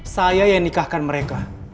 saya yang nikahkan mereka